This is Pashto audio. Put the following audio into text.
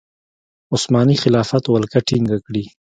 عثماني خلافت ولکه ټینګه کړي.